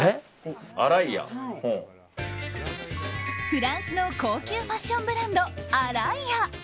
フランスの高級ファッションブランドアライア。